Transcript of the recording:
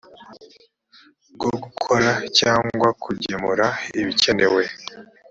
bwo gukora cyangwa kugemura ibikenewe